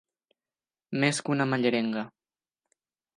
Més que una mallerenga.